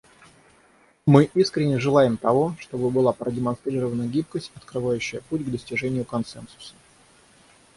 Мы искренне желаем того, чтобы была продемонстрирована гибкость, открывающая путь к достижению консенсуса.